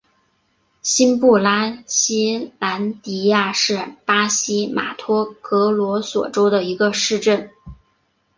新布拉西兰迪亚是巴西马托格罗索州的一个市镇。